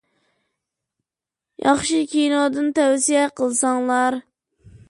ياخشى كىنودىن تەۋسىيە قىلساڭلار.